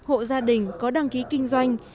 hộ gia đình có đăng ký kinh doanh